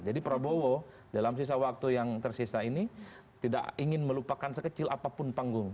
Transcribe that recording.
jadi prabowo dalam sisa waktu yang tersisa ini tidak ingin melupakan sekecil apapun panggung